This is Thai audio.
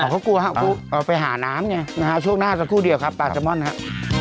อ้าวเขากลัวฮะเอาไปหาน้ำเนี่ยช่วงหน้าสักครู่เดียวครับปลาสมอนครับ